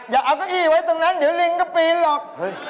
อย่าเอาเก้าอี้ไว้ตรงนั้นเดี๋ยวลิงก็ปีนหรอก